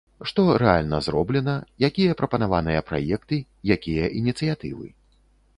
Што рэальна зроблена, якія прапанаваныя праекты, якія ініцыятывы?